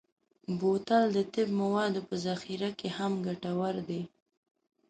بوتل د طب موادو په ذخیره کې هم ګټور دی.